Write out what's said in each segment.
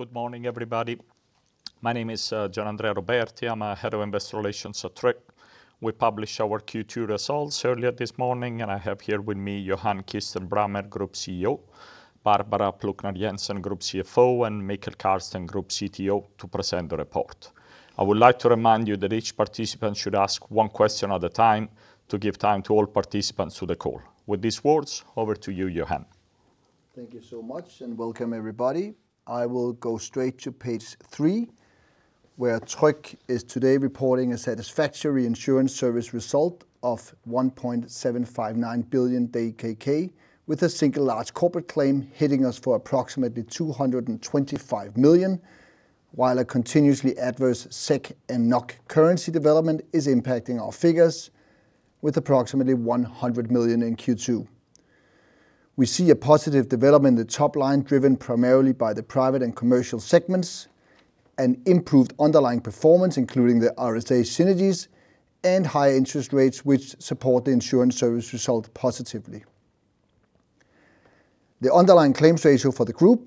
Good morning, everybody. My name is Gianandrea Roberti. I'm Head of Investor Relations at Tryg. We published our Q2 results earlier this morning, and I have here with me Johan Kirstein Brammer, Group CEO; Barbara Plucnar Jensen, Group CFO; and Mikael Kärrsten, Group CTO, to present the report. I would like to remind you that each participant should ask one question at a time to give time to all participants to the call. With these words, over to you, Johan. Thank you so much. Welcome, everybody. I will go straight to Page three, where Tryg is today reporting a satisfactory insurance service result of 1.759 billion, with a single large corporate claim hitting us for approximately 225 million, while a continuously adverse SEK and NOK currency development is impacting our figures with approximately 100 million in Q2. We see a positive development in the top line, driven primarily by the private and commercial segments, and improved underlying performance, including the RSA synergies and high interest rates, which support the insurance service result positively. The underlying claims ratio for the group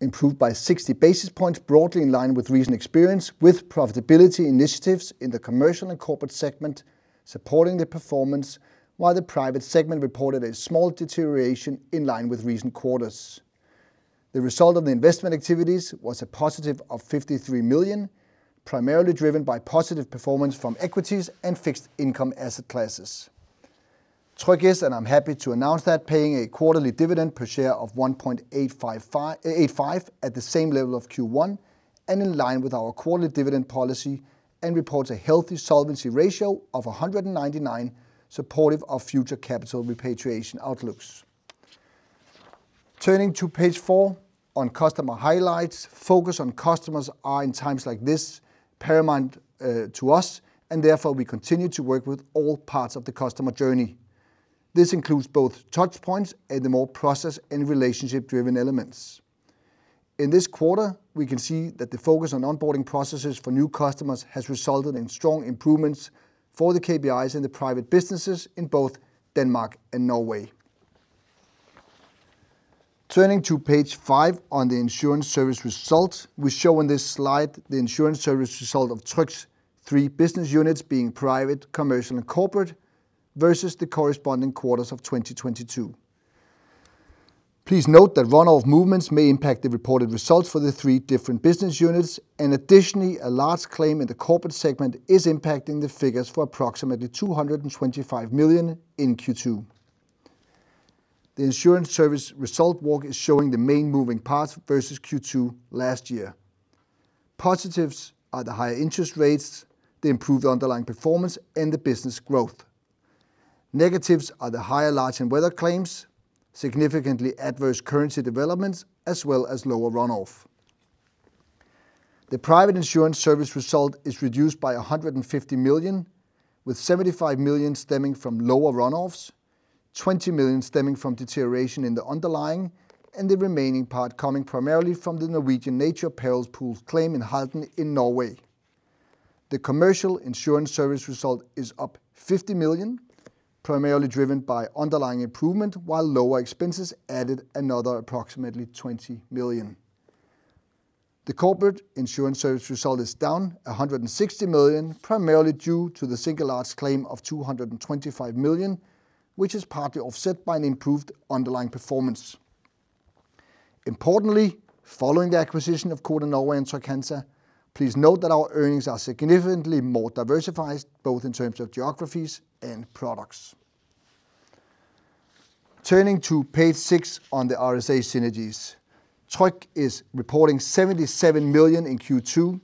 improved by 60 basis points, broadly in line with recent experience, with profitability initiatives in the commercial and corporate segment supporting the performance, while the private segment reported a small deterioration in line with recent quarters. The result of the investment activities was a positive of 53 million, primarily driven by positive performance from equities and fixed income asset classes. Tryg is, and I'm happy to announce that, paying a quarterly dividend per share of 1.85, at the same level of Q1, and in line with our quarterly dividend policy, and reports a healthy solvency ratio of 199, supportive of future capital repatriation outlooks. Turning to Page four on customer highlights. Focus on customers are, in times like this, paramount to us. Therefore, we continue to work with all parts of the customer journey. This includes both touch points and the more process and relationship-driven elements. In this quarter, we can see that the focus on onboarding processes for new customers has resulted in strong improvements for the KPIs in the private businesses in both Denmark and Norway. Turning to Page five on the insurance service results. We show on this Slide the insurance service result of Tryg's three business units, being private, commercial, and corporate, versus the corresponding quarters of 2022. Please note that run-off movements may impact the reported results for the three different business units. Additionally, a large claim in the corporate segment is impacting the figures for approximately 225 million in Q2. The insurance service result walk is showing the main moving parts versus Q2 last year. Positives are the higher interest rates, the improved underlying performance, and the business growth. Negatives are the higher large and weather claims, significantly adverse currency developments, as well as lower run-off. The private insurance service result is reduced by 150 million, with 75 million stemming from lower run-offs, 20 million stemming from deterioration in the underlying, and the remaining part coming primarily from the Norwegian Natural Perils Pool's claim in Halden in Norway. The commercial insurance service result is up 50 million, primarily driven by underlying improvement, while lower expenses added another approximately 20 million. The corporate insurance service result is down 160 million, primarily due to the single large claim of 225 million, which is partly offset by an improved underlying performance. Importantly, following the acquisition of Codan Norway and Tryg Cancer, please note that our earnings are significantly more diversified, both in terms of geographies and products. Turning to Page six on the RSA synergies. Tryg is reporting 77 million in Q2,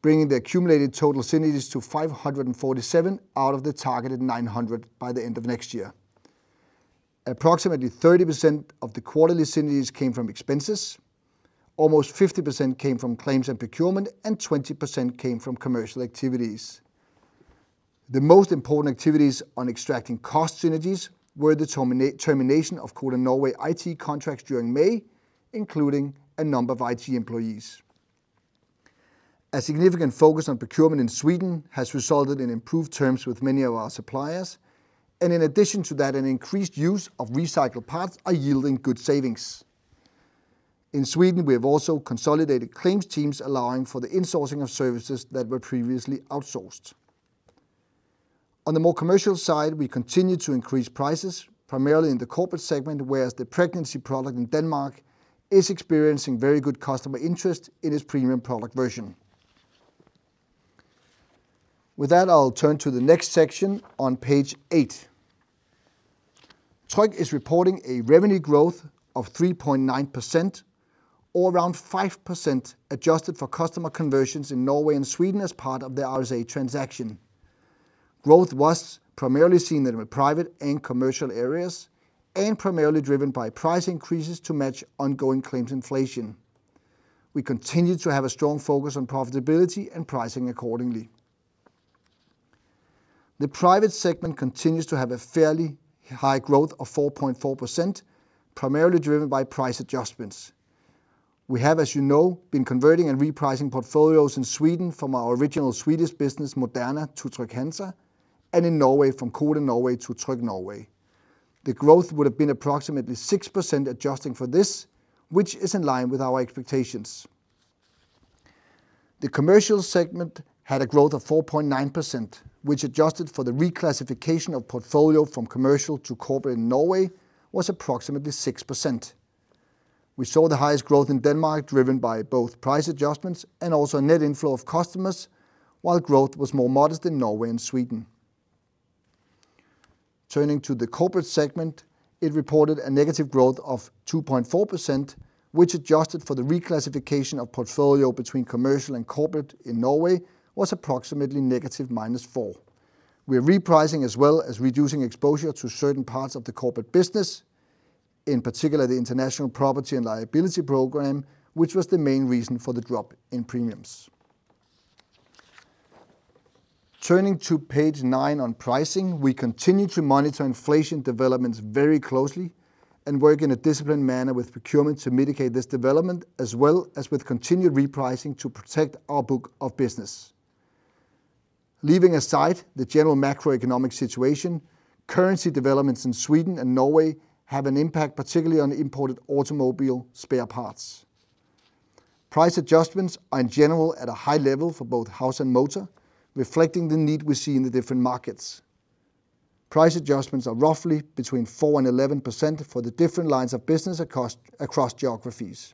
bringing the accumulated total synergies to 547 out of the targeted 900 by the end of next year. Approximately 30% of the quarterly synergies came from expenses, almost 50% came from claims and procurement, and 20% came from commercial activities. The most important activities on extracting cost synergies were the termination of Codan Norway IT contracts during May, including a number of IT employees. A significant focus on procurement in Sweden has resulted in improved terms with many of our suppliers, and in addition to that, an increased use of recycled parts are yielding good savings. In Sweden, we have also consolidated claims teams, allowing for the insourcing of services that were previously outsourced. On the more commercial side, we continue to increase prices, primarily in the corporate segment, whereas the pregnancy product in Denmark is experiencing very good customer interest in its premium product version. With that, I'll turn to the next section on Page eight. Tryg is reporting a revenue growth of 3.9%, or around 5%, adjusted for customer conversions in Norway and Sweden as part of the RSA transaction. Growth was primarily seen in the private and commercial areas and primarily driven by price increases to match ongoing claims inflation. We continue to have a strong focus on profitability and pricing accordingly. The private segment continues to have a fairly high growth of 4.4%, primarily driven by price adjustments.... We have, as you know, been converting and repricing portfolios in Sweden from our original Swedish business, Moderna, to Trygg-Hansa, and in Norway, from Codan Norway to Tryg Norway. The growth would have been approximately 6% adjusting for this, which is in line with our expectations. The commercial segment had a growth of 4.9%, which adjusted for the reclassification of portfolio from commercial to corporate in Norway, was approximately 6%. We saw the highest growth in Denmark, driven by both price adjustments and also net inflow of customers, while growth was more modest in Norway and Sweden. Turning to the corporate segment, it reported a negative growth of 2.4%, which adjusted for the reclassification of portfolio between commercial and corporate in Norway, was approximately negative minus 4. We are repricing as well as reducing exposure to certain parts of the corporate business, in particular, the international property and liability program, which was the main reason for the drop in premiums. Turning to Page nine on pricing, we continue to monitor inflation developments very closely and work in a disciplined manner with procurement to mitigate this development, as well as with continued repricing to protect our book of business. Leaving aside the general macroeconomic situation, currency developments in Sweden and Norway have an impact, particularly on imported automobile spare parts. Price adjustments are in general at a high level for both house and motor, reflecting the need we see in the different markets. Price adjustments are roughly between 4% and 11% for the different lines of business across geographies.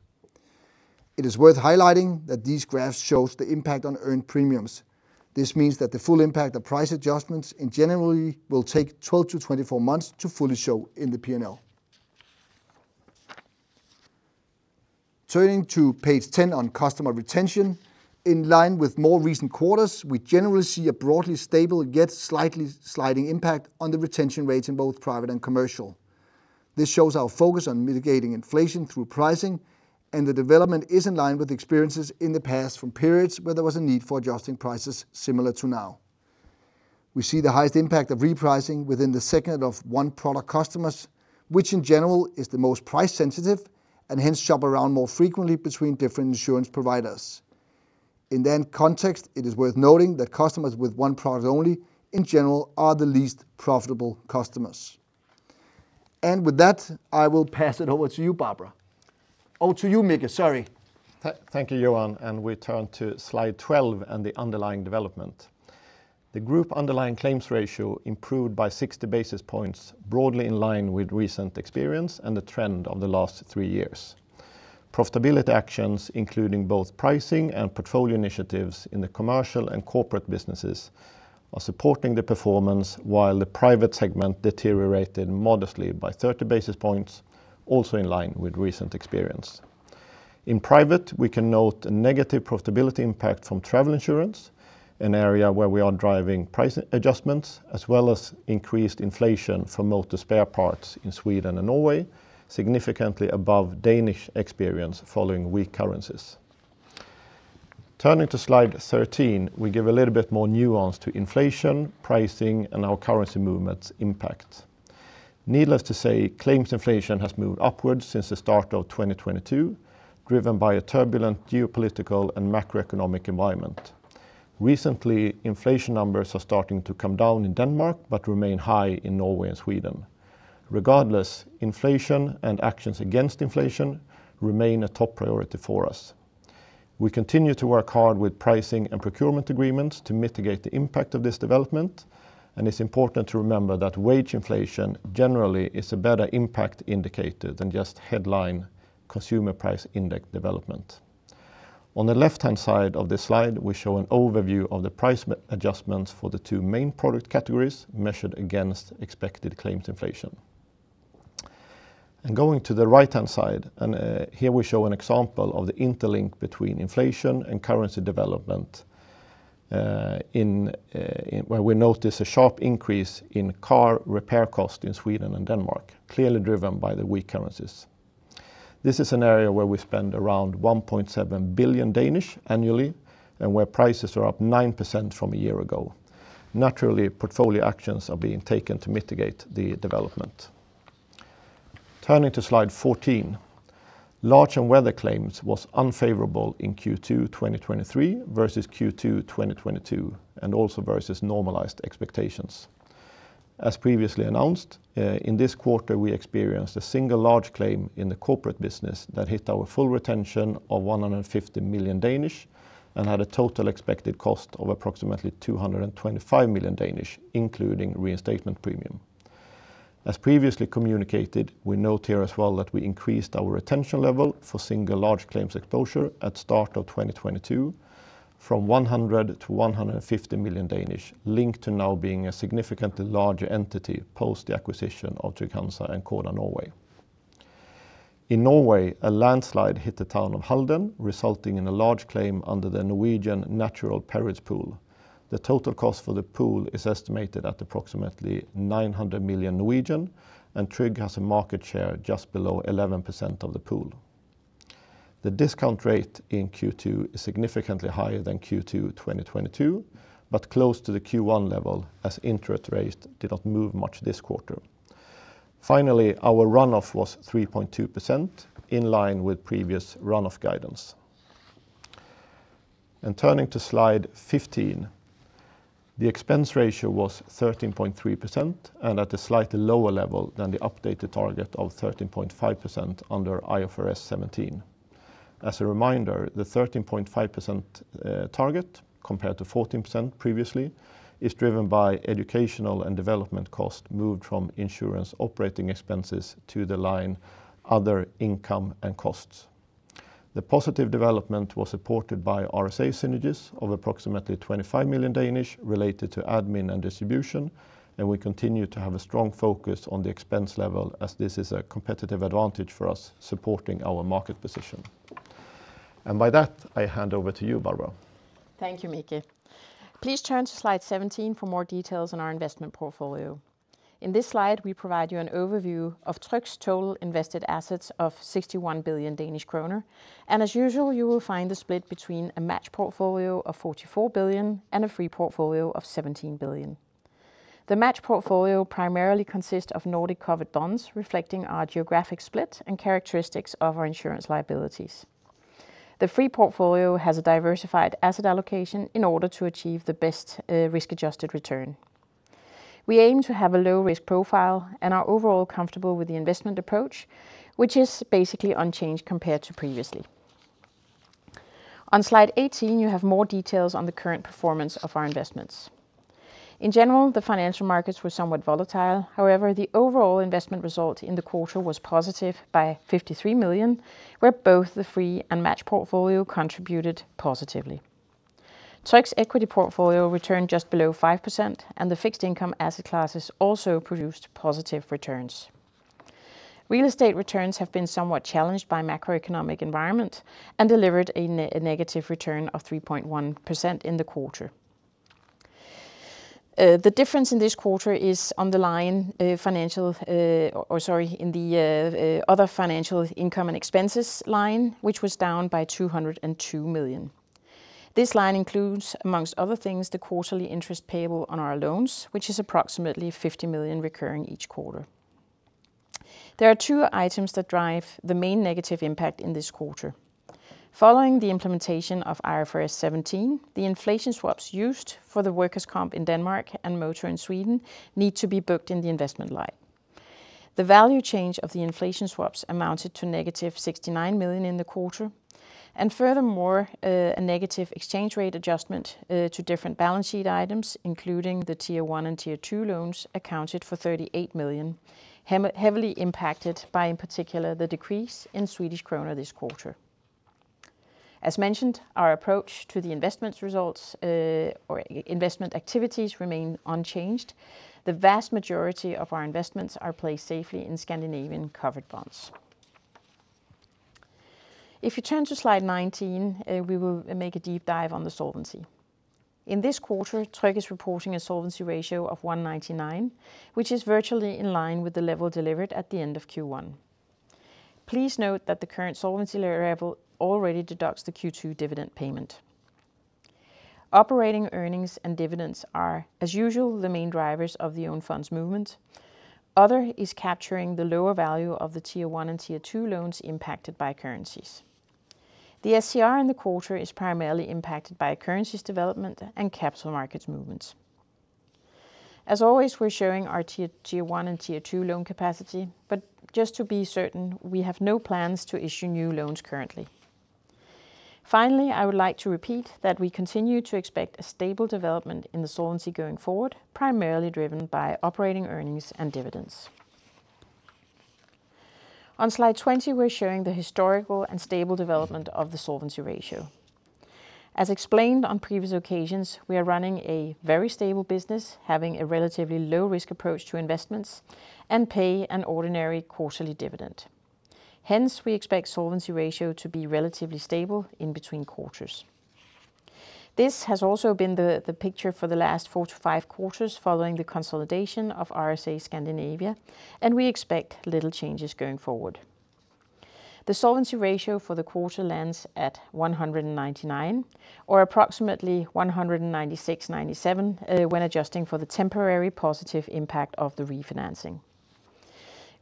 It is worth highlighting that these graphs shows the impact on earned premiums. This means that the full impact of price adjustments in general will take 12 to 24 months to fully show in the P&L. Turning to Page 10 on customer retention, in line with more recent quarters, we generally see a broadly stable, yet slightly sliding impact on the retention rates in both private and commercial. This shows our focus on mitigating inflation through pricing. The development is in line with experiences in the past from periods where there was a need for adjusting prices similar to now. We see the highest impact of repricing within the second of one product customers, which in general is the most price sensitive. Hence shop around more frequently between different insurance providers. In that context, it is worth noting that customers with one product only, in general, are the least profitable customers. With that, I will pass it over to you, Barbara. Over to you, Mikael, sorry. Thank you, Johan. We turn to Slide 12 and the underlying development. The Group underlying claims ratio improved by 60 basis points, broadly in line with recent experience and the trend of the last three years. Profitability actions, including both pricing and portfolio initiatives in the commercial and corporate businesses, are supporting the performance, while the Private segment deteriorated modestly by 30 basis points, also in line with recent experience. In Private, we can note a negative profitability impact from travel insurance, an area where we are driving price adjustments, as well as increased inflation for motor spare parts in Sweden and Norway, significantly above Danish experience following weak currencies. Turning to Slide 13, we give a little bit more nuance to inflation, pricing, and our currency movements impact. Needless to say, claims inflation has moved upwards since the start of 2022, driven by a turbulent geopolitical and macroeconomic environment. Recently, inflation numbers are starting to come down in Denmark, but remain high in Norway and Sweden. Regardless, inflation and actions against inflation remain a top priority for us. We continue to work hard with pricing and procurement agreements to mitigate the impact of this development. It's important to remember that wage inflation generally is a better impact indicator than just headline Consumer Price Index development. On the left-hand side of this Slide, we show an overview of the price adjustments for the two main product categories measured against expected claims inflation. Going to the right-hand side, here we show an example of the interlink between inflation and currency development, in where we notice a sharp increase in car repair costs in Sweden and Denmark, clearly driven by the weak currencies. This is an area where we spend around 1.7 billion annually and where prices are up 9% from a year ago. Naturally, portfolio actions are being taken to mitigate the development. Turning to Slide 14, large and weather claims was unfavorable in Q2 2023 versus Q2 2022, and also versus normalized expectations. As previously announced, in this quarter, we experienced a single large claim in the corporate business that hit our full retention of 150 million, and had a total expected cost of approximately 225 million, including reinstatement premium. As previously communicated, we note here as well that we increased our retention level for single large claims exposure at start of 2022 from 100 to 150 million, linked to now being a significantly larger entity post the acquisition of Tryg-Hansa and Codan Norway. In Norway, a landSlide hit the town of Halden, resulting in a large claim under the Norwegian Natural Perils Pool. The total cost for the pool is estimated at approximately 900 million. Tryg has a market share just below 11% of the pool. The discount rate in Q2 is significantly higher than Q2 2022, close to the Q1 level as interest rates did not move much this quarter. Finally, our run-off was 3.2%, in line with previous run-off guidance. Turning to Slide 15, the expense ratio was 13.3%, and at a slightly lower level than the updated target of 13.5% under IFRS 17. As a reminder, the 13.5% target, compared to 14% previously, is driven by educational and development costs moved from insurance operating expenses to the line other income and costs. The positive development was supported by RSA synergies of approximately 25 million related to admin and distribution, and we continue to have a strong focus on the expense level as this is a competitive advantage for us, supporting our market position. By that, I hand over to you, Barbara. Thank you, Mikael. Please turn to Slide 17 for more details on our investment portfolio. In this Slide, we provide you an overview of Tryg's total invested assets of 61 billion Danish kroner. As usual, you will find the split between a matched portfolio of 44 billion and a free portfolio of 17 billion. The matched portfolio primarily consists of Nordic covered bonds, reflecting our geographic split and characteristics of our insurance liabilities. The free portfolio has a diversified asset allocation in order to achieve the best risk-adjusted return. We aim to have a low risk profile and are overall comfortable with the investment approach, which is basically unchanged compared to previously. On Slide 18, you have more details on the current performance of our investments. In general, the financial markets were somewhat volatile. The overall investment result in the quarter was positive by 53 million, where both the free and matched portfolio contributed positively. Tryg's equity portfolio returned just below 5%, the fixed income asset classes also produced positive returns. Real estate returns have been somewhat challenged by macroeconomic environment and delivered a negative return of 3.1% in the quarter. The difference in this quarter is on the line, financial, or sorry, in the, other financial income and expenses line, which was down by 202 million. This line includes, amongst other things, the quarterly interest payable on our loans, which is approximately 50 million recurring each quarter. There are two items that drive the main negative impact in this quarter. Following the implementation of IFRS 17, the inflation swaps used for the workers' comp in Denmark and motor in Sweden need to be booked in the investment line. The value change of the inflation swaps amounted to -69 million in the quarter. Furthermore, a negative exchange rate adjustment to different balance sheet items, including the Tier 1 and Tier 2 loans, accounted for 38 million, heavily impacted by, in particular, the decrease in Swedish krona this quarter. As mentioned, our approach to the investments results or investment activities remain unchanged. The vast majority of our investments are placed safely in Scandinavian covered bonds. If you turn to Slide 19, we will make a deep dive on the solvency. In this quarter, Tryg is reporting a solvency ratio of 199%, which is virtually in line with the level delivered at the end of Q1. Please note that the current solvency level already deducts the Q2 dividend payment. Operating earnings and dividends are, as usual, the main drivers of the own funds movement. Other is capturing the lower value of the Tier 1 and Tier 2 loans impacted by currencies. The SCR in the quarter is primarily impacted by currencies development and capital markets movements. As always, we're showing our Tier 1 and Tier 2 loan capacity, but just to be certain, we have no plans to issue new loans currently. Finally, I would like to repeat that we continue to expect a stable development in the solvency going forward, primarily driven by operating earnings and dividends. On Slide 20, we're showing the historical and stable development of the solvency ratio. As explained on previous occasions, we are running a very stable business, having a relatively low risk approach to investments and pay an ordinary quarterly dividend. We expect solvency ratio to be relatively stable in between quarters. This has also been the picture for the last 4 to 5 quarters following the consolidation of RSA Scandinavia. We expect little changes going forward. The solvency ratio for the quarter lands at 199% or approximately 196.97% when adjusting for the temporary positive impact of the refinancing.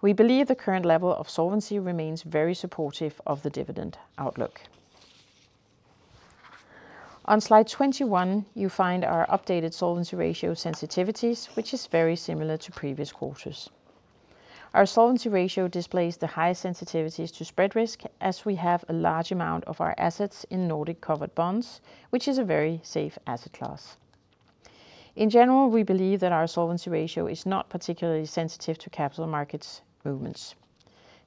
We believe the current level of solvency remains very supportive of the dividend outlook. On Slide 21, you find our updated solvency ratio sensitivities, which is very similar to previous quarters. Our solvency ratio displays the highest sensitivities to spread risk, as we have a large amount of our assets in Nordic covered bonds, which is a very safe asset class. In general, we believe that our solvency ratio is not particularly sensitive to capital markets movements.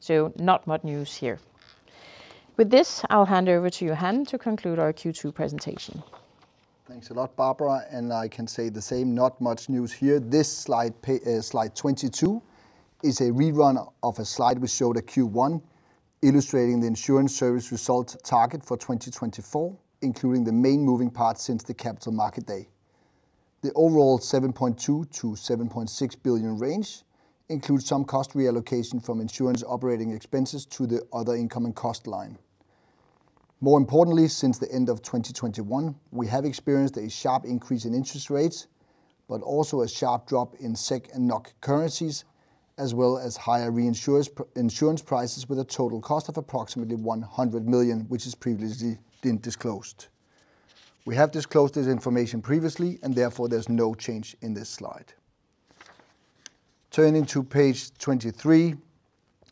Not much news here. With this, I'll hand over to Johan to conclude our Q2 presentation. Thanks a lot, Barbara, and I can say the same, not much news here. This Slide 22, is a rerun of a Slide we showed at Q1, illustrating the insurance service result target for 2024, including the main moving parts since the Capital Markets Day. The overall 7.2 billion-7.6 billion range includes some cost reallocation from insurance operating expenses to the other income and cost line. More importantly, since the end of 2021, we have experienced a sharp increase in interest rates, also a sharp drop in SEK and NOK currencies, as well as higher reinsurers insurance prices with a total cost of approximately 100 million, which has previously been disclosed. We have disclosed this information previously, therefore there's no change in this Slide. Turning to Page 23,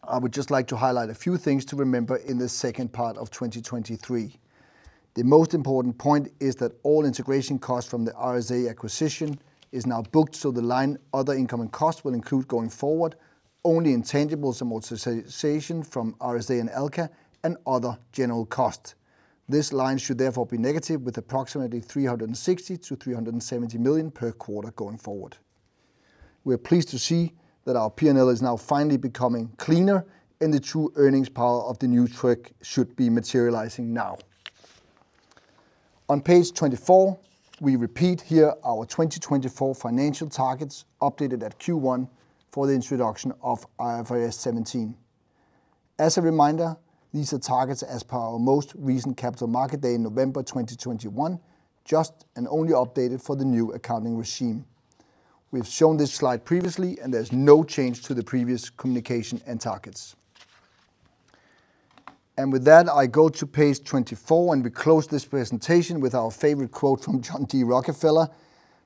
I would just like to highlight a few things to remember in the second part of 2023. The most important point is that all integration costs from the RSA acquisition is now booked, the line other income and costs will include going forward, only intangibles amortization from RSA and Alka and other general costs. This line should therefore be negative, with approximately 360 million-370 million per quarter going forward. We are pleased to see that our P&L is now finally becoming cleaner, and the true earnings power of the new Tryg should be materializing now. On Page 24, we repeat here our 2024 financial targets, updated at Q1 for the introduction of IFRS 17. As a reminder, these are targets as per our most recent Capital Markets Day in November 2021, just and only updated for the new accounting regime. We've shown this Slide previously, and there's no change to the previous communication and targets. With that, I go to Page 24, and we close this presentation with our favorite quote from John D. Rockefeller,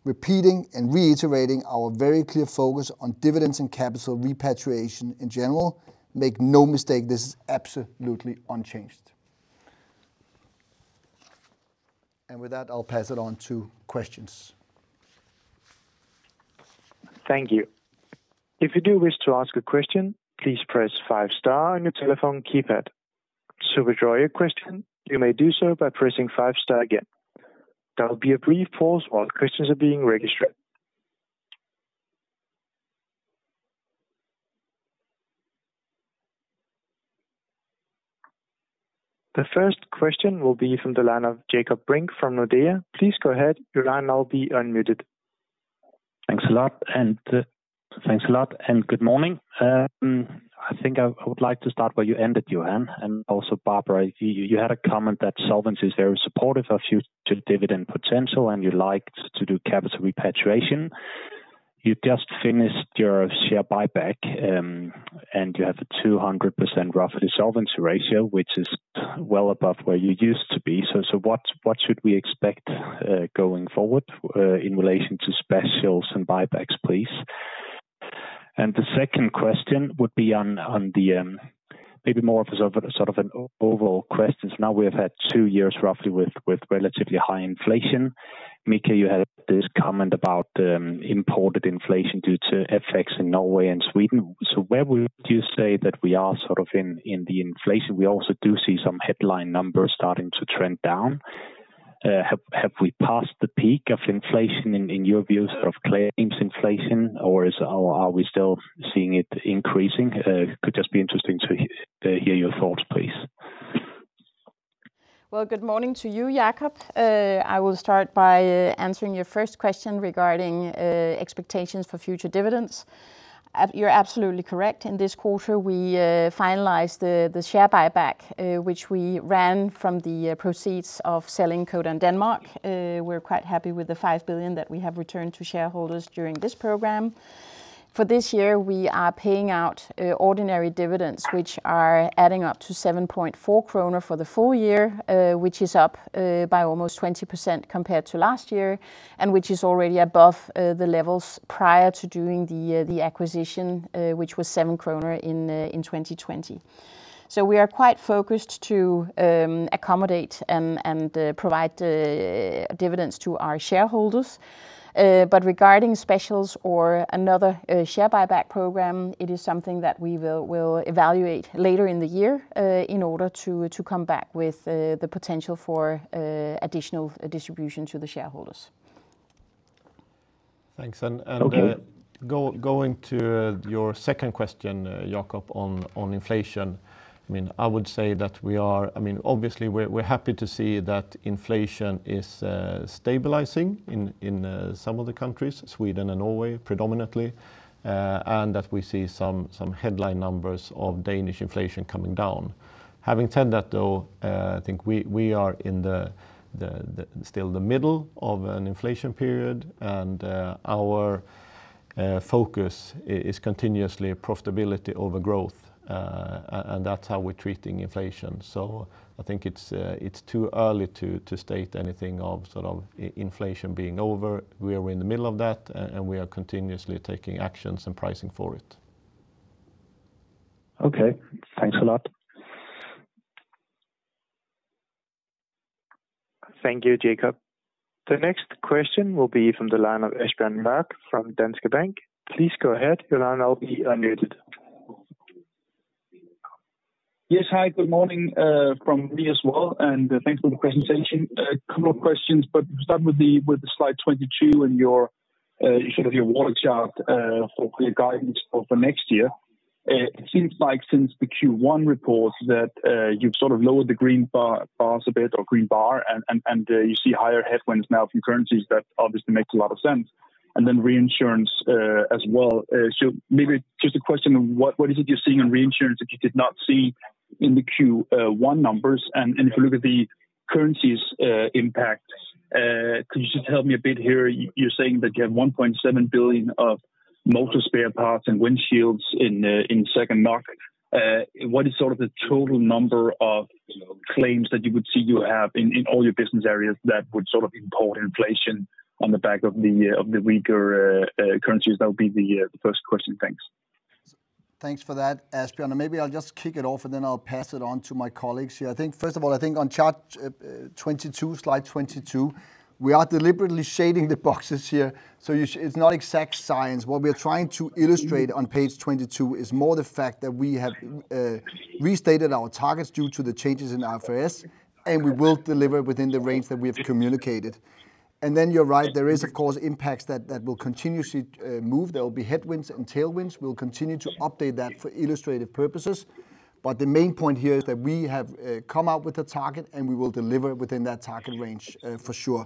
repeating and reiterating our very clear focus on dividends and capital repatriation in general. Make no mistake, this is absolutely unchanged. With that, I'll pass it on to questions. Thank you. If you do wish to ask a question, please press five star on your telephone keypad. To withdraw your question, you may do so by pressing five star again. There will be a brief pause while questions are being registered. The first question will be from the line of Jakob Brink from Nordea. Please go ahead. Your line now will be unmuted. Thanks a lot, and good morning. I think I would like to start where you ended, Johan, and also Barbara, you had a comment that solvency is very supportive of future dividend potential, and you liked to do capital repatriation. You just finished your share buyback, and you have a 200% rough solvency ratio, which is well above where you used to be. What should we expect going forward in relation to specials and buybacks, please? The second question would be on the maybe more of a sort of an overall question. Now, we have had 2 years, roughly, with relatively high inflation. Mikael, you had this comment about imported inflation due to effects in Norway and Sweden. Where would you say that we are sort of in the inflation? We also do see some headline numbers starting to trend down. Have we passed the peak of inflation in your view, sort of claims inflation, or are we still seeing it increasing? Could just be interesting to hear your thoughts, please. Well, good morning to you, Jakob. I will start by answering your first question regarding expectations for future dividends. You're absolutely correct. In this quarter, we finalized the share buyback, which we ran from the proceeds of selling Codan Denmark. We're quite happy with the 5 billion that we have returned to shareholders during this program. For this year, we are paying out ordinary dividends, which are adding up to 7.4 kroner for the full year, which is up by almost 20% compared to last year, which is already above the levels prior to doing the acquisition, which was 7 kroner in 2020. We are quite focused to accommodate and provide dividends to our shareholders. Regarding specials or another share buyback program, it is something that we will evaluate later in the year, in order to come back with the potential for additional distribution to the shareholders. Thanks. Okay. Going to your second question, Jakob, on inflation. I mean, I would say that we are, I mean, obviously, we're happy to see that inflation is stabilizing in some of the countries, Sweden and Norway predominantly, and that we see some headline numbers of Danish inflation coming down. Having said that, though, I think we are in the still the middle of an inflation period, and our focus is continuously profitability over growth, and that's how we're treating inflation. I think it's too early to state anything of sort of inflation being over. We are in the middle of that, and we are continuously taking actions and pricing for it. Okay, thanks a lot. Thank you, Jakob. The next question will be from the line of Asbjørn Mørk from Danske Bank. Please go ahead. Your line now will be unmuted. Hi, good morning from me as well, and thanks for the presentation. A couple of questions, start with the Slide 22 and your sort of your workshop for your guidance over next year. It seems like since the Q1 report that you've sort of lowered the green bars a bit, or green bar, and you see higher headwinds now from currencies, that obviously makes a lot of sense. and then reinsurance as well. Maybe just a question of what is it you're seeing in reinsurance that you did not see in the Q1 numbers? If you look at the currencies impact, could you just help me a bit here? You're saying that you have 1.7 billion of motor spare parts and windshields in the second market. What is sort of the total number of claims that you would see you have in all your business areas that would sort of import inflation on the back of the weaker currencies? That would be the first question. Thanks. Thanks for that, Asbjørn. Maybe I'll just kick it off, then I'll pass it on to my colleagues here. I think, first of all, I think on chart 22, Slide 22, we are deliberately shading the boxes here, so it's not exact science. What we are trying to illustrate on Page 22 is more the fact that we have restated our targets due to the changes in IFRS, we will deliver within the range that we have communicated. You're right, there is, of course, impacts that will continuously move. There will be headwinds and tailwinds. We'll continue to update that for illustrative purposes, the main point here is that we have come out with a target, we will deliver within that target range for sure.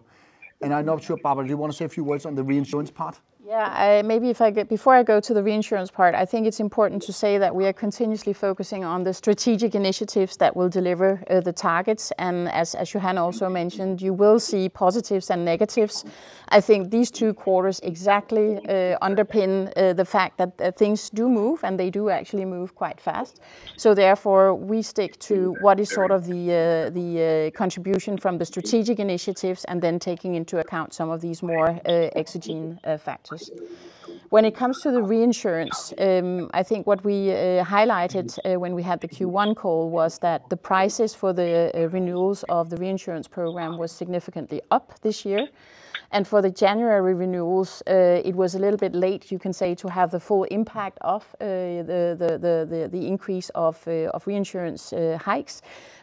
I'm not sure, Barbara, do you want to say a few words on the reinsurance part? Yeah, maybe if I get before I go to the reinsurance part, I think it's important to say that we are continuously focusing on the strategic initiatives that will deliver the targets. As, as Johan also mentioned, you will see positives and negatives. I think these two quarters exactly underpin the fact that things do move, and they do actually move quite fast. Therefore, we stick to what is sort of the the contribution from the strategic initiatives, and then taking into account some of these more exogenous factors. When it comes to the reinsurance, I think what we highlighted when we had the Q1 call was that the prices for the renewals of the reinsurance program was significantly up this year. For the January renewals, it was a little bit late, you can say, to have the full impact of the increase of reinsurance hikes.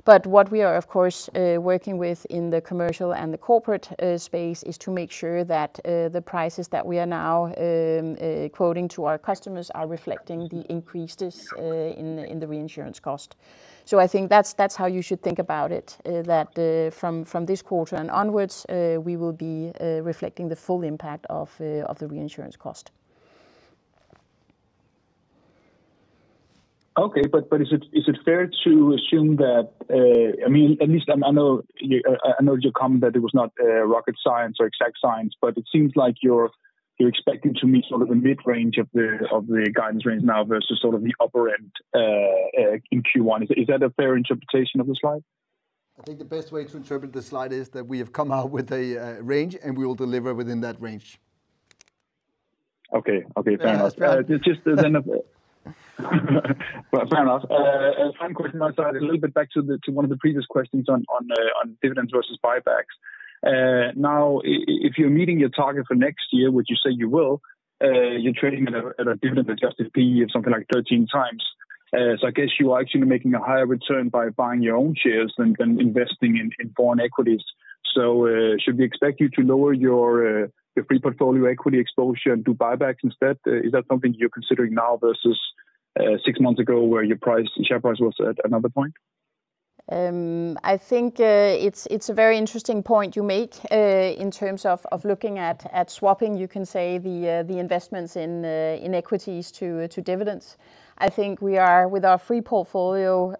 What we are, of course, working with in the commercial and the corporate space, is to make sure that the prices that we are now quoting to our customers are reflecting the increases in the reinsurance cost. I think that's how you should think about it, that from this quarter and onwards, we will be reflecting the full impact of the reinsurance cost. Okay, is it fair to assume that, I mean, at least I know, I know your comment that it was not rocket science or exact science, but it seems like you're expecting to meet sort of the mid-range of the, of the guidance range now versus sort of the upper end in Q1. Is that a fair interpretation of the Slide? I think the best way to interpret the Slide is that we have come out with a range, and we will deliver within that range. Okay. Okay, fair enough. It's just then Fair enough. One question on that, a little bit back to the, to one of the previous questions on dividends versus buybacks. Now, if you're meeting your target for next year, which you say you will, you're trading at a dividend adjusted PE of something like 13 times. I guess you are actually making a higher return by buying your own shares than investing in foreign equities. Should we expect you to lower your free portfolio equity exposure and do buybacks instead? Is that something you're considering now versus 6 months ago, where your share price was at another point? I think it's a very interesting point you make in terms of looking at swapping the investments in equities to dividends. I think we are, with our free portfolio,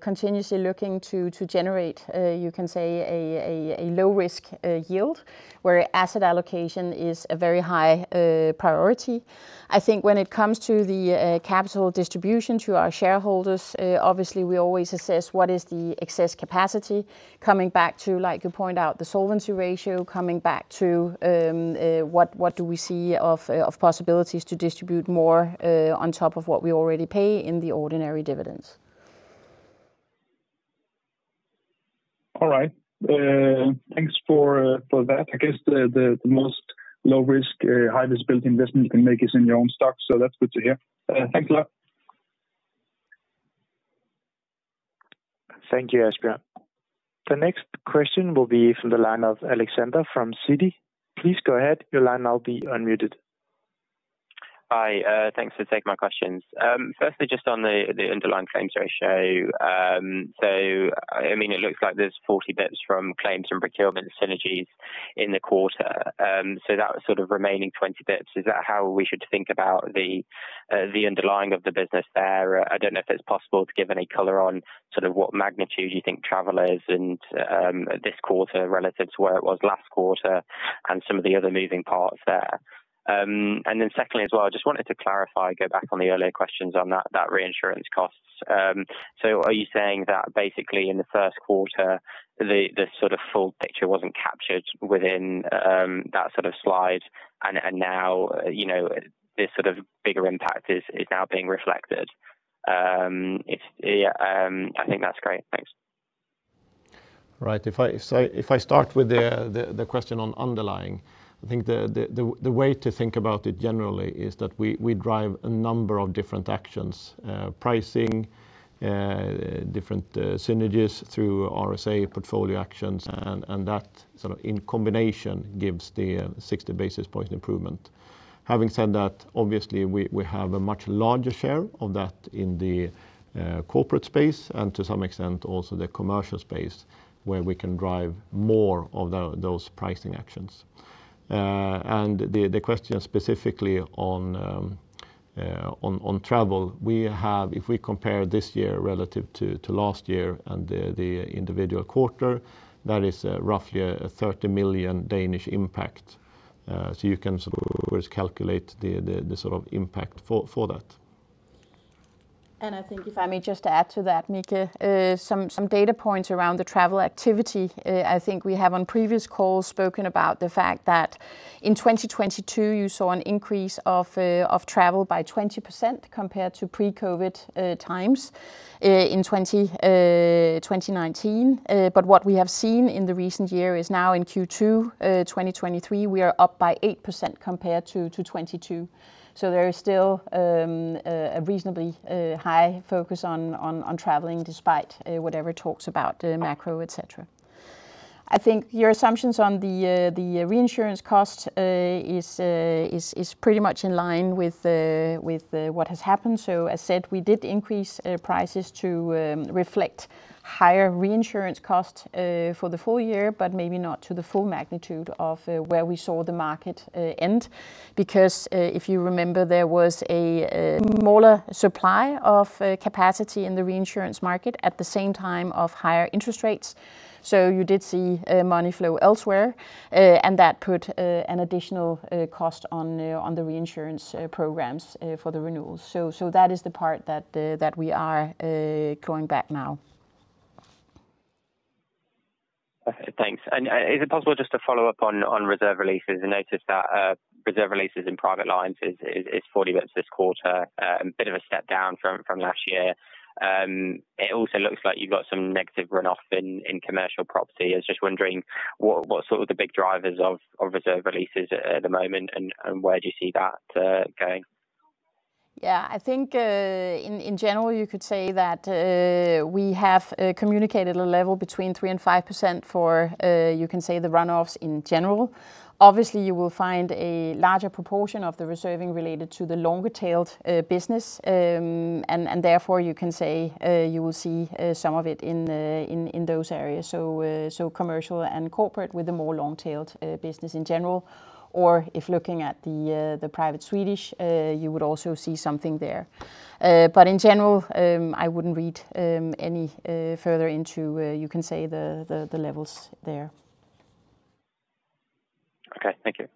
continuously looking to generate a low risk yield, where asset allocation is a very high priority. I think when it comes to the capital distribution to our shareholders, obviously, we always assess what is the excess capacity coming back to the solvency ratio, coming back to what do we see of possibilities to distribute more on top of what we already pay in the ordinary dividends. All right. Thanks for that. I guess the most low risk, high risk building investment you can make is in your own stock, that's good to hear. Thanks a lot. Thank you, Asbjørn. The next question will be from the line of Alexander from Citi. Please go ahead. Your line now be unmuted. Hi, thanks for taking my questions. Firstly, just on the underlying claims ratio, I mean, it looks like there's 40-bits from claims and procurement synergies in the quarter. That sort of remaining 20-bits, is that how we should think about the underlying of the business there? I don't know if it's possible to give any color on sort of what magnitude you think travelers and this quarter relative to where it was last quarter and some of the other moving parts there. Secondly, as well, I just wanted to clarify, go back on the earlier questions on that reinsurance costs. Are you saying that basically in the first quarter, the sort of full picture wasn't captured within that sort of Slide, and now, you know, this sort of bigger impact is now being reflected? It's, yeah, I think that's great. Thanks. Right. If I start with the question on underlying, I think the way to think about it generally is that we drive a number of different actions, pricing, different synergies through RSA portfolio actions, and that sort of in combination gives the 60 basis point improvement. having said that, obviously we have a much larger share of that in the corporate space, and to some extent also the commercial space, where we can drive more of those pricing actions. The question specifically on travel, we have if we compare this year relative to last year and the individual quarter, that is roughly a 30 million Danish kroner impact. You can sort of always calculate the sort of impact for that. I think if I may just add to that, Mikael, some data points around the travel activity. I think we have on previous calls spoken about the fact that in 2022 you saw an increase of travel by 20% compared to pre-COVID times in 2019. What we have seen in the recent year is now in Q2 2023, we are up by 8% compared to 22. There is still a reasonably high focus on traveling, despite whatever talks about the macro, et cetera. I think your assumptions on the reinsurance cost is pretty much in line with what has happened. As said, we did increase prices to reflect higher reinsurance cost for the full year, but maybe not to the full magnitude of where we saw the market end. If you remember, there was a smaller supply of capacity in the reinsurance market at the same time of higher interest rates. You did see money flow elsewhere, and that put an additional cost on the reinsurance programs for the renewals. That is the part that we are going back now. Thanks. Is it possible just to follow up on reserve releases? I noticed that reserve releases in private lines is 40-bits this quarter, a bit of a step down from last year. It also looks like you've got some negative run-off in commercial property. I was just wondering what sort of the big drivers of reserve releases at the moment, and where do you see that going? I think, in general, you could say that we have communicated a level between 3% and 5% for you can say the runoffs in general. Obviously, you will find a larger proportion of the reserving related to the longer-tailed business. And therefore, you can say, you will see some of it in those areas. Commercial and corporate with a more long-tailed business in general, or if looking at the private Swedish, you would also see something there. But in general, I wouldn't read any further into you can say the levels there. Okay, thank you.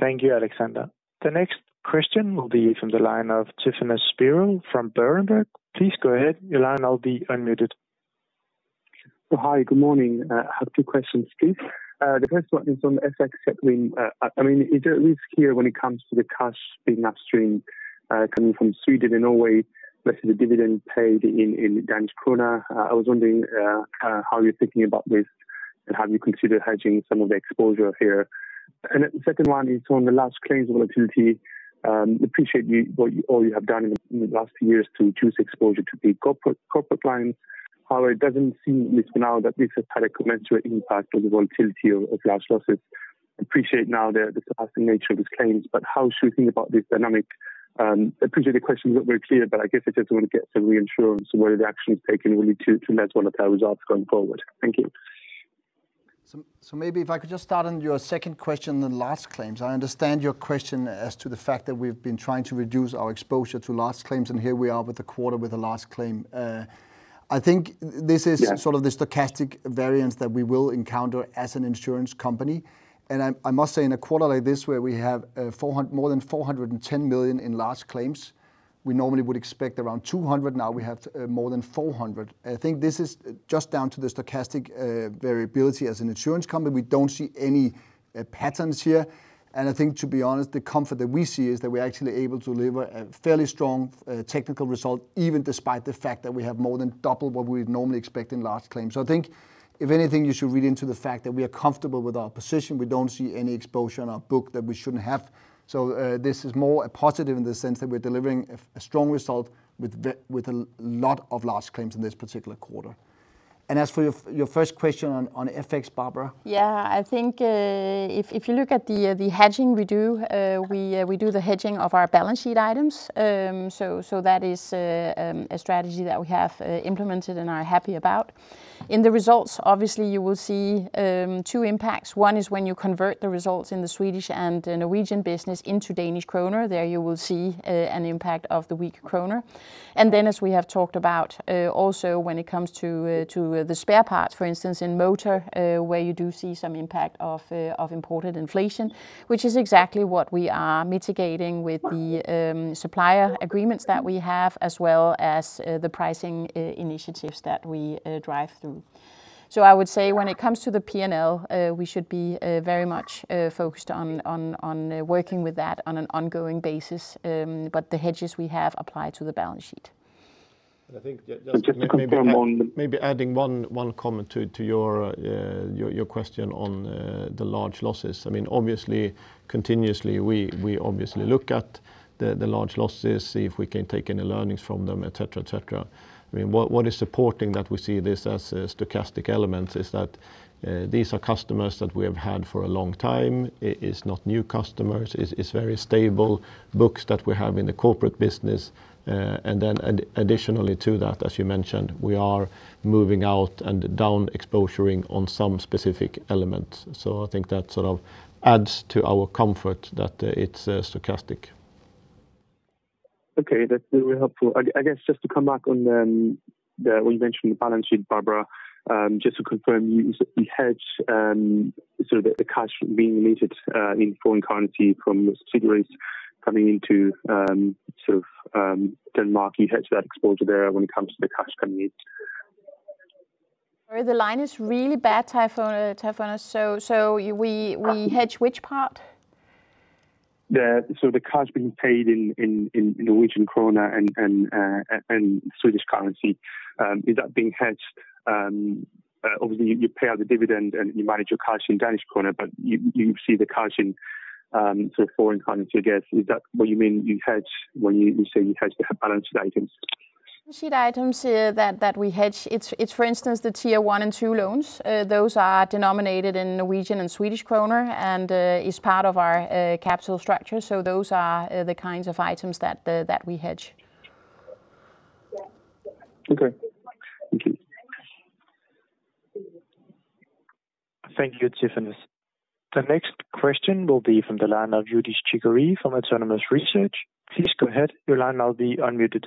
Thank you, Alexander. The next question will be from the line of Tryfonas Spyrou from Berenberg. Please go ahead. Your line now be unmuted. Hi, good morning. I have two questions, please. The first one is on the FX settling. I mean, is there a risk here when it comes to the cash being upstream, coming from Sweden and Norway versus the dividend paid in Danish kroner? I was wondering how you're thinking about this, and have you considered hedging some of the exposure here? The second one is on the large claims volatility. Appreciate what you all have done in the last few years to reduce exposure to the corporate clients. However, it doesn't seem as for now that this has had a commensurate impact on the volatility of large losses. Appreciate now the passing nature of these claims, but how should we think about this dynamic? Appreciate the question is not very clear, but I guess I just want to get some reinsurance, whether the actions taken will lead to measure what the results going forward. Thank you. Maybe if I could just start on your second question on large claims. I understand your question as to the fact that we've been trying to reduce our exposure to large claims, and here we are with a quarter with a large claim. I think this is. Yeah sort of the stochastic variance that we will encounter as an insurance company. I must say, in a quarter like this, where we have more than 410 million in large claims, we normally would expect around 200 million, now we have more than 400 million. I think this is just down to the stochastic variability. As an insurance company, we don't see any patterns here. I think to be honest, the comfort that we see is that we're actually able to deliver a fairly strong technical result, even despite the fact that we have more than double what we'd normally expect in large claims. I think if anything, you should read into the fact that we are comfortable with our position. We don't see any exposure on our book that we shouldn't have. This is more a positive in the sense that we're delivering a strong result with a lot of large claims in this particular quarter. As for your first question on FX, Barbara? Yeah. I think, if you look at the hedging we do, we do the hedging of our balance sheet items. That is a strategy that we have implemented and are happy about. In the results, obviously, you will see two impacts. One is when you convert the results in the Swedish and the Norwegian business into Danish kroner, there you will see an impact of the weak kroner. As we have talked about, also when it comes to the spare parts, for instance, in motor, where you do see some impact of imported inflation. Which is exactly what we are mitigating with the supplier agreements that we have, as well as the pricing initiatives that we drive through. I would say when it comes to the PNL, we should be very much focused on working with that on an ongoing basis, but the hedges we have apply to the balance sheet. I think just maybe adding one comment to your question on the large losses. I mean, obviously, continuously, we obviously look at the large losses, see if we can take any learnings from them, et cetera, et cetera. I mean, what is supporting that we see this as a stochastic element is that these are customers that we have had for a long time. It is not new customers. It's very stable books that we have in the corporate business. Additionally to that, as you mentioned, we are moving out and down exposuring on some specific elements. I think that sort of adds to our comfort that it's stochastic. Okay, that's very helpful. I guess just to come back on, the invention, the balance sheet, Barbara, just to confirm, you hedge, sort of the cash being emitted, in foreign currency from the securities coming into, sort of Denmark. You hedge that exposure there when it comes to the cash coming in? Sorry, the line is really bad, Tryfonas, Tryfonas. We hedge which part? The cash being paid in Norwegian kroner and Swedish currency, is that being hedged? Obviously, you pay out the dividend and you manage your cash in Danish kroner, but you see the cash in sort of foreign currency, I guess. Is that what you mean you hedge when you say you hedge the balance sheet items? Sheet items that we hedge, it's for instance, the Tier 1 and 2 loans. Those are denominated in Norwegian and Swedish kroner and is part of our capital structure. Those are the kinds of items that we hedge. Okay. Thank you. Thank you, Tryfonas. The next question will be from the line of Youdish Chavrimootoo from Autonomous Research. Please go ahead. Your line now be unmuted.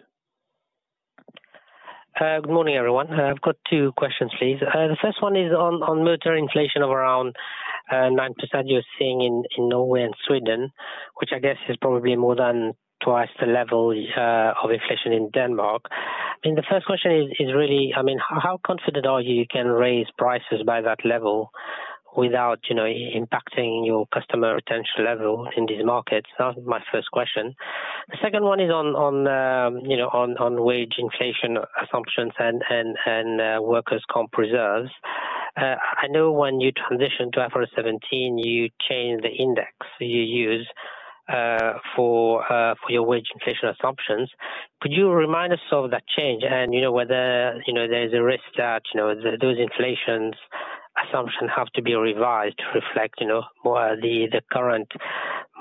Good morning, everyone. I've got two questions, please. The first one is on motor inflation of around 9% you're seeing in Norway and Sweden, which I guess is probably more than twice the level of inflation in Denmark. I mean, the first question is really, I mean, how confident are you you can raise prices by that level without, you know, impacting your customer retention level in these markets? That's my first question. The second one is on, you know, on wage inflation assumptions and workers' comp reserves. I know when you transitioned to IFRS 17, you changed the index you use for your wage inflation assumptions. Could you remind us of that change? you know, whether, you know, there's a risk that, you know, those inflations assumption have to be revised to reflect, you know, more the current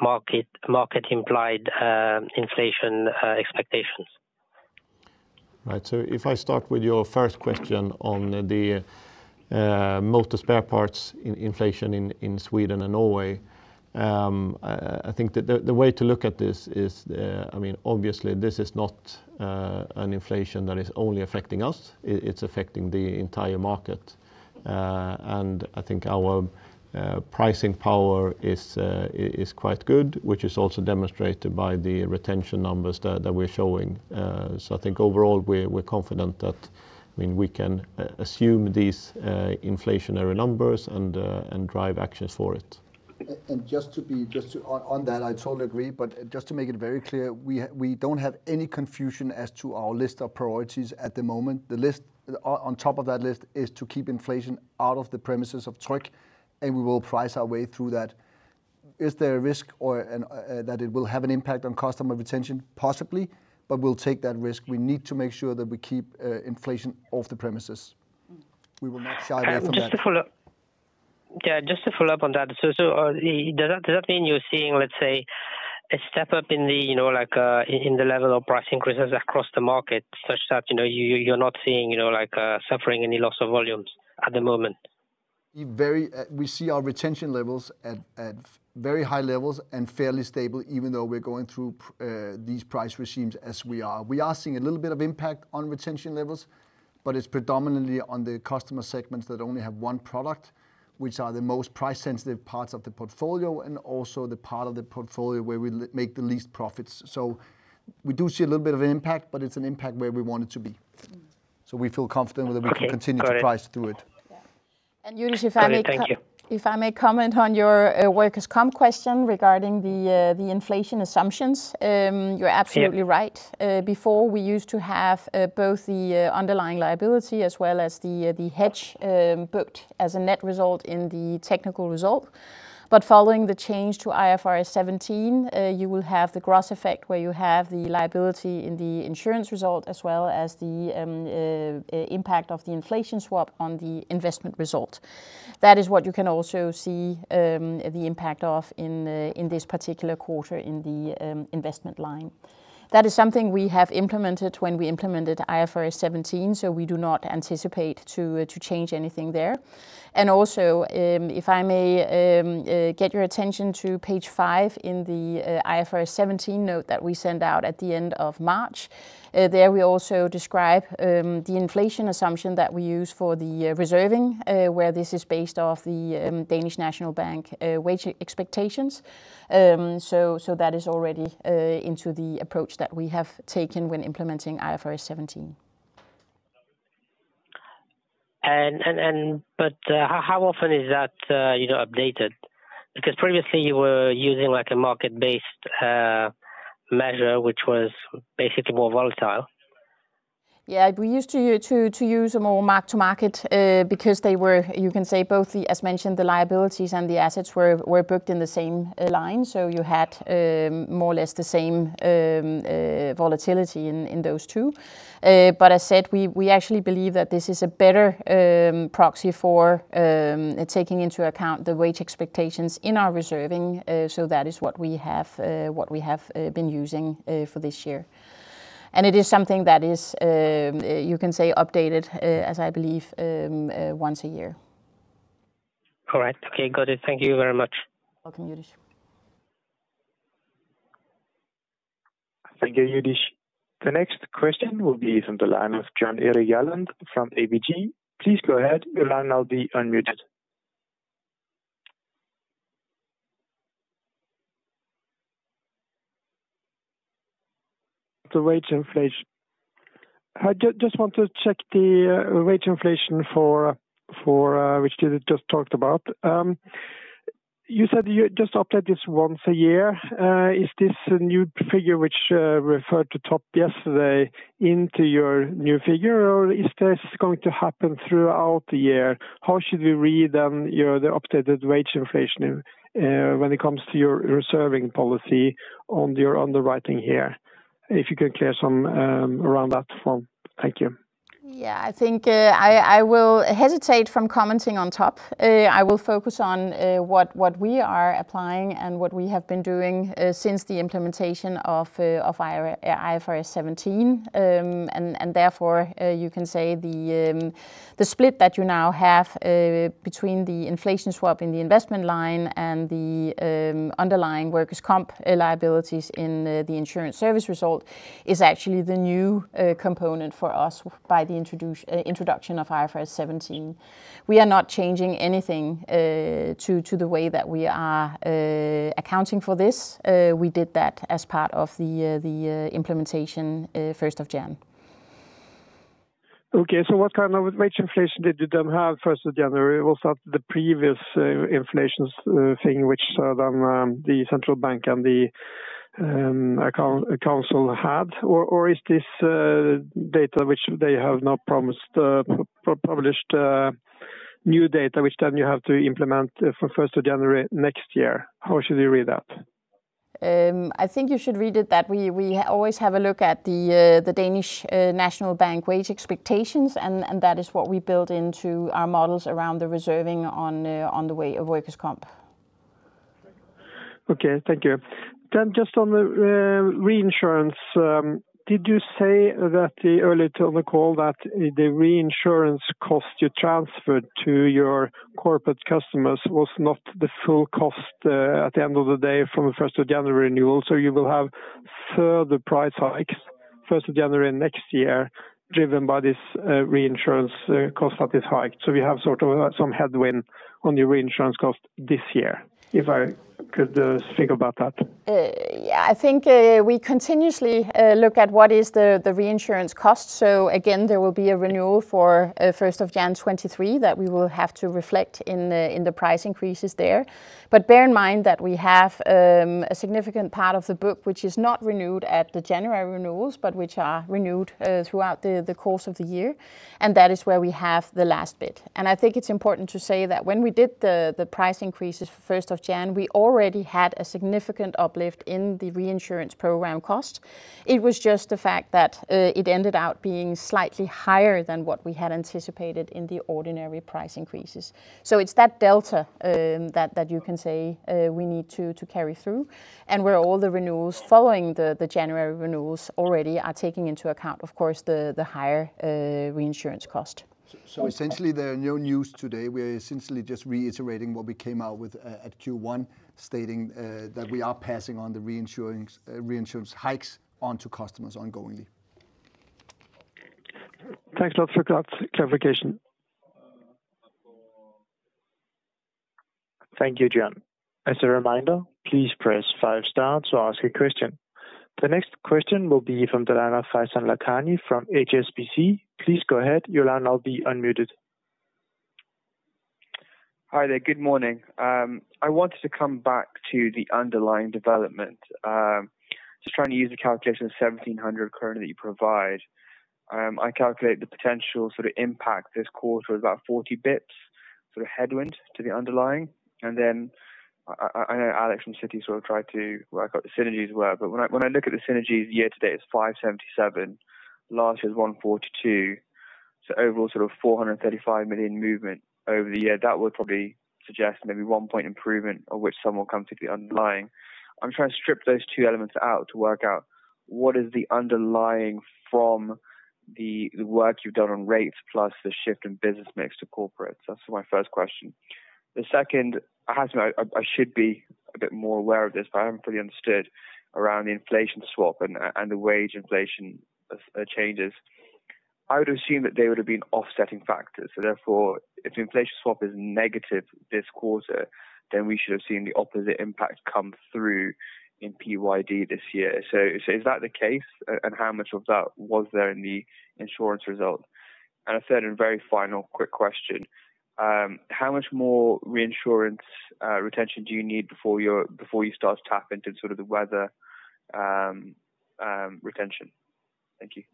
market implied inflation expectations. Right. If I start with your first question on the motor spare parts inflation in Sweden and Norway, I think the way to look at this is, I mean, obviously, this is not an inflation that is only affecting us. It's affecting the entire market. I think our pricing power is quite good, which is also demonstrated by the retention numbers that we're showing. I think overall, we're confident that, I mean, we can assume these inflationary numbers and drive actions for it. Just to on that, I totally agree, but just to make it very clear, we don't have any confusion as to our list of priorities at the moment. The list, on top of that list, is to keep inflation out of the premises of Tryg, and we will price our way through that. Is there a risk or, and, that it will have an impact on customer retention? Possibly, but we'll take that risk. We need to make sure that we keep inflation off the premises. We will not shy away from that. Just to follow up. Yeah, just to follow up on that. Does that mean you're seeing, let's say, a step up in the, you know, like, in the level of price increases across the market such that, you know, you're not seeing, you know, like, suffering any loss of volumes at the moment? Very, we see our retention levels at very high levels and fairly stable, even though we're going through these price regimes as we are. We are seeing a little bit of impact on retention levels, but it's predominantly on the customer segments that only have one product, which are the most price-sensitive parts of the portfolio, and also the part of the portfolio where we make the least profits. So we do see a little bit of an impact, but it's an impact where we want it to be. So we feel confident that we can continue to price through it. Yeah. Youdish, if I may. Thank you. If I may comment on your workers' comp question regarding the inflation assumptions. You're absolutely right. Sure. Before we used to have both the underlying liability as well as the hedge booked as a net result in the technical result. Following the change to IFRS 17, you will have the gross effect, where you have the liability in the insurance result as well as the impact of the inflation swap on the investment result. That is what you can also see the impact of in this particular quarter in the investment line. That is something we have implemented when we implemented IFRS 17, so we do not anticipate to change anything there. Also, if I may get your attention to Page 5 in the IFRS 17 note that we sent out at the end of March. There we also describe the inflation assumption that we use for the reserving, where this is based off the Danmarks Nationalbank wage expectations. That is already into the approach that we have taken when implementing IFRS 17. How often is that, you know, updated? Because previously you were using, like, a market-based measure, which was basically more volatile. We used to use a more mark to market, because they were, you can say, both the, as mentioned, the liabilities and the assets were booked in the same line, so you had more or less the same volatility in those two. As said, we actually believe that this is a better proxy for taking into account the wage expectations in our reserving. That is what we have been using for this year. It is something that is, you can say updated, as I believe once a year. All right. Okay, got it. Thank you very much. Welcome, Youdish. Thank you, Youdish. The next question will be from the line of Jan Erik Gjerland from ABG. Please go ahead. Your line will now be unmuted. The wage inflation. I just want to check the wage inflation for which you just talked about. You said you just update this once a year. Is this a new figure which referred to top yesterday into your new figure? Or is this going to happen throughout the year? How should we read, you know, the updated wage inflation when it comes to your reserving policy on your underwriting here? If you could clear some around that for me. Thank you. Yeah, I think I will hesitate from commenting on top. I will focus on what we are applying and what we have been doing since the implementation of IFRS 17. Therefore, you can say the split that you now have between the inflation swap in the investment line and the underlying workers' comp liabilities in the insurance service result, is actually the new component for us by the introduction of IFRS 17. We are not changing anything to the way that we are accounting for this. We did that as part of the implementation 1st of January. Okay, what kind of wage inflation did you then have first of January? Was that the previous inflations thing, which the central bank and the council had? Is this data which they have now promised published new data, which then you have to implement for 1st of January next year? How should we read that? I think you should read it, that we always have a look at the Danmarks Nationalbank wage expectations, and that is what we build into our models around the reserving on the way of workers' comp. Okay, thank you. Just on the reinsurance, did you say that earlier on the call that the reinsurance cost you transferred to your corporate customers was not the full cost at the end of the day from the first of January renewal? You will have further price hikes first of January next year, driven by this reinsurance cost that is high. We have sort of some headwind on the reinsurance cost this year, if I could think about that. Yeah, I think we continuously look at what is the reinsurance cost. Again, there will be a renewal for first of January 2023, that we will have to reflect in the price increases there. Bear in mind that we have a significant part of the book, which is not renewed at the January renewals, but which are renewed throughout the course of the year, and that is where we have the last bit. I think it's important to say that when we did the price increases first of January, we already had a significant uplift in the reinsurance program cost. It was just the fact that it ended out being slightly higher than what we had anticipated in the ordinary price increases. It's that delta, that you can say, we need to carry through, and where all the renewals following the January renewals already are taking into account, of course, the higher reinsurance cost. essentially, there are no news today. We are essentially just reiterating what we came out with at Q1, stating that we are passing on the reinsurance hikes onto customers ongoingly. Thanks a lot for clarification. Thank you, Jan. As a reminder, please press five stars to ask a question. The next question will be from the line of Faizan Lakhani from HSBC. Please go ahead. Your line now be unmuted. Hi there. Good morning. I wanted to come back to the underlying development. Just trying to use the calculation of 1,700 current that you provide. I calculate the potential sort of impact this quarter is about 40-bits, sort of headwind to the underlying. I know Alexander from Citi sort of tried to work out the synergies were, but when I look at the synergies year-to-date, it's 577, last year's 142. Overall sort of 435 million movement over the year, that would probably suggest maybe 1 point improvement of which some will come to the underlying. I'm trying to strip those two elements out to work out what is the underlying from the work you've done on rates plus the shift in business mix to corporates? That's my first question. The second, I have to admit, I should be a bit more aware of this, but I haven't fully understood around the inflation swap and the wage inflation changes. I would assume that they would have been offsetting factors, so therefore, if the inflation swap is negative this quarter, then we should have seen the opposite impact come through in PYD this year. Is that the case? How much of that was there in the insurance result? A third and very final quick question. How much more reinsurance retention do you need before you start to tap into sort of the weather retention? Thank you.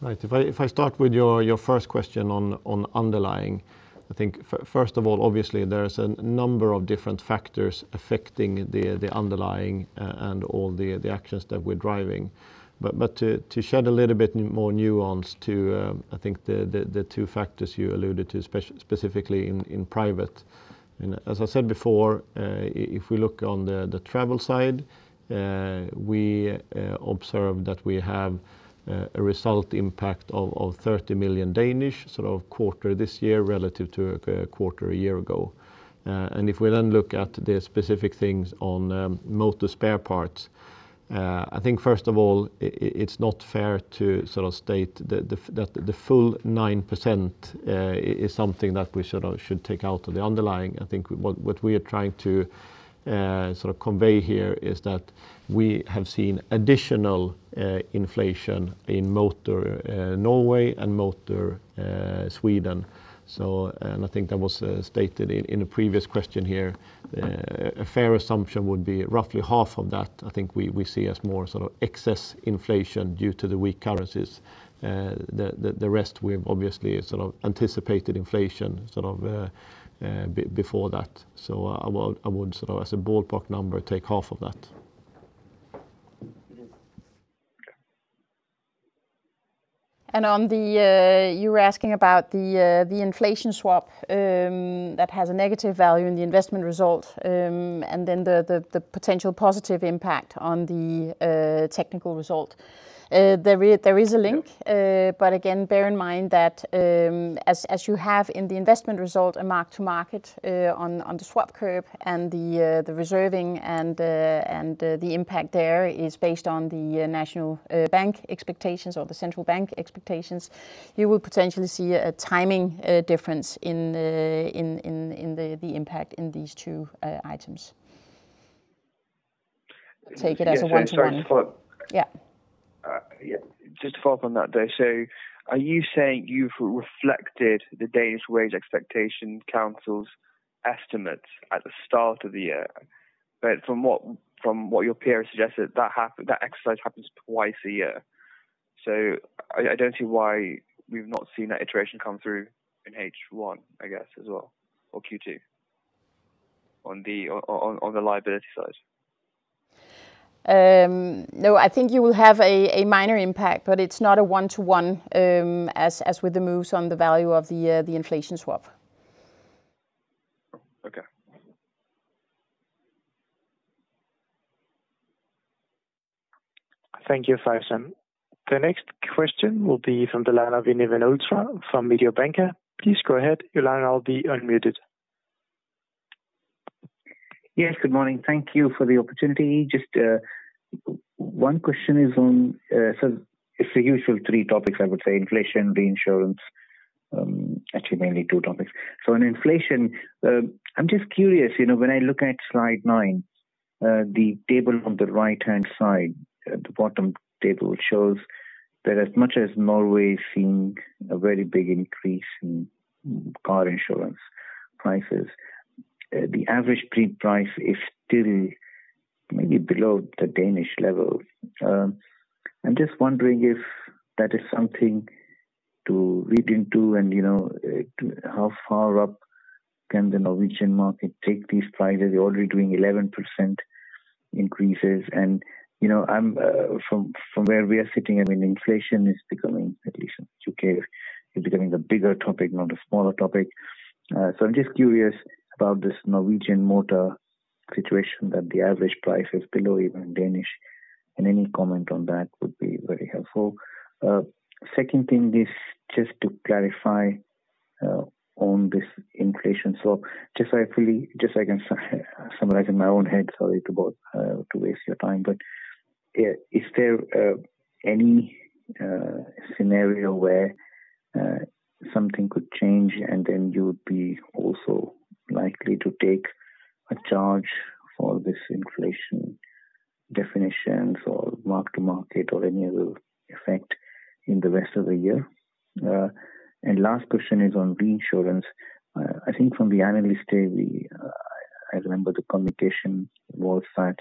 Right. If I start with your first question on underlying, I think first of all, obviously, there is a number of different factors affecting the underlying and all the actions that we're driving. To shed a little bit more nuance to, I think the two factors you alluded to, specifically in private. As I said before, if we look on the travel side, we observe that we have a result impact of 30 million, sort of quarter this year relative to a quarter a year ago. If we then look at the specific things on motor spare parts, I think first of all, it's not fair to sort of state that the full 9% is something that we should, or should take out of the underlying. I think what we are trying to sort of convey here is that we have seen additional inflation in motor Norway and motor Sweden. I think that was stated in a previous question here. A fair assumption would be roughly half of that. I think we see as more sort of excess inflation due to the weak currencies. The rest we've obviously sort of anticipated inflation, sort of, before that. I would sort of as a ballpark number, take half of that. On the, you were asking about the inflation swap that has a negative value in the investment result. Then the potential positive impact on the technical result. There is a link. Yeah. Again, bear in mind that, as you have in the investment result, a mark to market, on the swap curve and the reserving and the impact there is based on the national bank expectations or the central bank expectations. You will potentially see a timing difference in the impact in these two items. Take it as a 1-to-1. Yeah, sorry to follow up. Yeah. Yeah, just to follow up on that there. Are you saying you've reflected the Danish Economic Council's estimates at the start of the year? From what your peers suggested, that exercise happens twice a year. I don't see why we've not seen that iteration come through in H1, I guess, as well, or Q2, on the liability side. No, I think you will have a minor impact, but it's not a one-to-one, as with the moves on the value of the inflation swap. Okay. Thank you, Faizan. The next question will be from the line of Vinit Malhotra from Mediobanca. Please go ahead. Your line will now be unmuted. Yes, good morning. Thank you for the opportunity. Just one question is on, so it's the usual three topics, I would say: inflation, reinsurance, actually mainly two topics. On inflation, I'm just curious, you know, when I look at Slide nine, the table on the right-hand side, the bottom table shows that as much as Norway is seeing a very big increase in car insurance prices, the average pre price is still maybe below the Danish level. I'm just wondering if that is something to read into and, you know, how far up can the Norwegian market take these prices? They're already doing 11% increases. You know, I'm, from where we are sitting, I mean, inflation is becoming, at least in U.K., is becoming a bigger topic, not a smaller topic. I'm just curious about this Norwegian motor situation, that the average price is below even Danish, and any comment on that would be very helpful. Second thing is just to clarify on this inflation. Just so I can summarize in my own head, is there any scenario where something could change and then you would be also likely to take a charge for this inflation definitions or mark to market or any other effect in the rest of the year? Last question is on reinsurance. I think from the analyst day, I remember the communication was that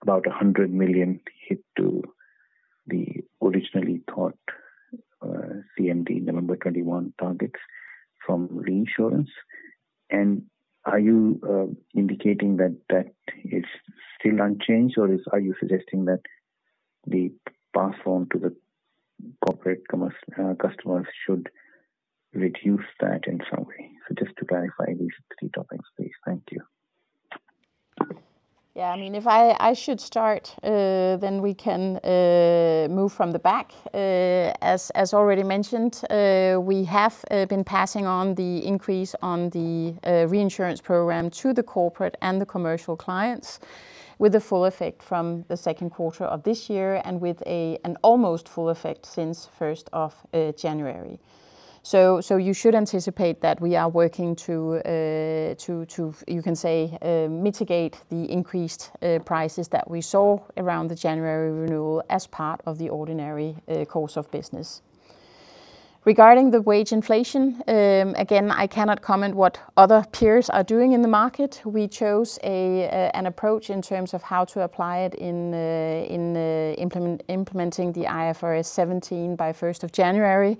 about a 100 million hit to the originally thought CMD, November 2021 targets from reinsurance. Are you indicating that that is still unchanged, or are you suggesting that the pass on to the corporate commerce customers should reduce that in some way? Just to clarify these three topics, please. Thank you. Yeah, I mean, if I should start, we can move from the back. As already mentioned, we have been passing on the increase on the reinsurance program to the corporate and the commercial clients, with the full effect from the second quarter of this year and with an almost full effect since first of January. You should anticipate that we are working to, you can say, mitigate the increased prices that we saw around the January renewal as part of the ordinary course of business. Regarding the wage inflation, again, I cannot comment what other peers are doing in the market. We chose an approach in terms of how to apply it in implementing the IFRS 17 by first of January.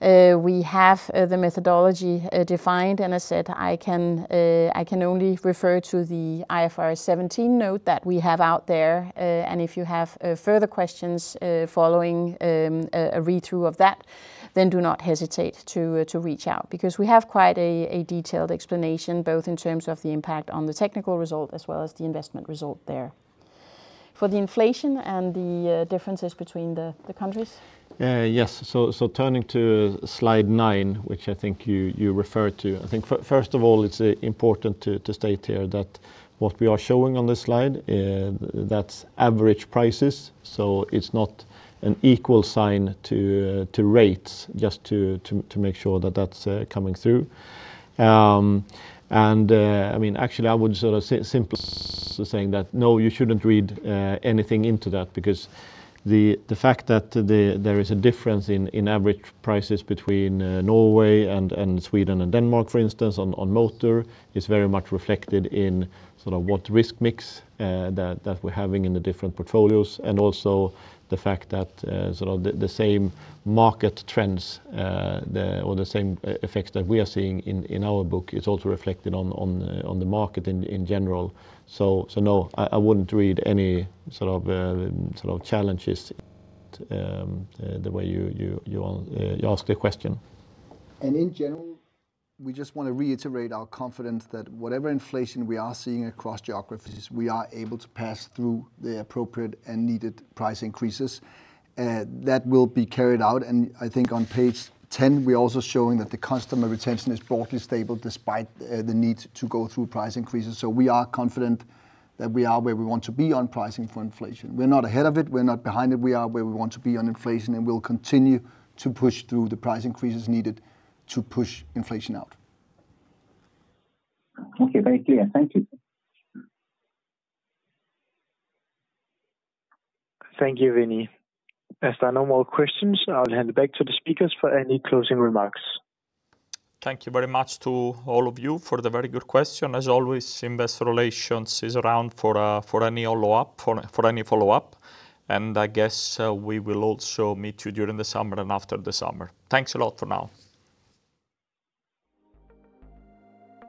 We have the methodology defined, and I said I can only refer to the IFRS 17 note that we have out there. If you have further questions following a read-through of that, then do not hesitate to reach out. We have quite a detailed explanation, both in terms of the impact on the technical result as well as the investment result there. For the inflation and the differences between the countries? Yes. Turning to Slide nine, which I think you referred to. I think first of all, it's important to state here that what we are showing on this Slide, that's average prices, so it's not an equal sign to rates, just to make sure that that's coming through. I mean, actually, I would sort of say simply saying that, no, you shouldn't read anything into that because the fact that the... There is a difference in average prices between Norway and Sweden and Denmark, for instance, on motor, is very much reflected in sort of what risk mix that we're having in the different portfolios, and also the fact that sort of the same market trends or the same effects that we are seeing in our book, it's also reflected on the market in general. No, I wouldn't read any sort of challenges the way you ask the question. In general, we just want to reiterate our confidence that whatever inflation we are seeing across geographies, we are able to pass through the appropriate and needed price increases that will be carried out. I think on Page 10, we're also showing that the customer retention is broadly stable despite the need to go through price increases. We are confident that we are where we want to be on pricing for inflation. We're not ahead of it, we're not behind it. We are where we want to be on inflation, and we'll continue to push through the price increases needed to push inflation out. Okay, very clear. Thank you. Thank you, Vinit. As there are no more questions, I'll hand it back to the speakers for any closing remarks. Thank you very much to all of you for the very good question. As always, Investor Relations is around for any follow-up. I guess, we will also meet you during the summer and after the summer. Thanks a lot for now.